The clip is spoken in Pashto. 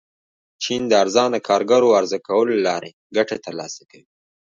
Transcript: چین د ارزانه کارګرو عرضه کولو له لارې ګټه ترلاسه کوي.